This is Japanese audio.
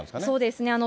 そうですね。